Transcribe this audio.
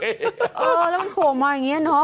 เออแล้วมันโผล่มาอย่างนี้เนาะ